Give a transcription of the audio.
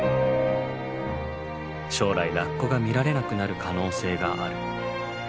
将来ラッコが見られなくなる可能性がある。